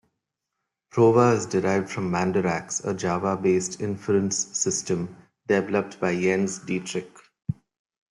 Prova is derived from Mandarax, a Java-based inference system developed by Jens Dietrich.